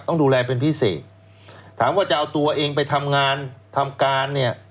ต้องดูแลเป็นพิเศษถามว่าจะเอาตัวเองไปทำงานทำการเนี่ย